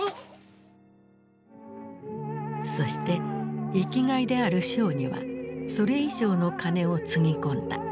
そして生きがいであるショーにはそれ以上の金をつぎ込んだ。